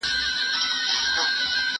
زه به د سبا لپاره د درسونو يادونه کړې وي!